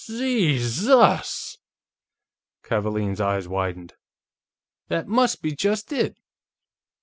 "Zhee zus!" Kavaalen's eyes widened. "That must be just it!"